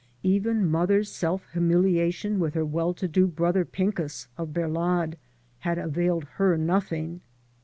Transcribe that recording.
Even mother's self himaili ation with her well to do brother Pincus, of Berlad, had availed her nothing.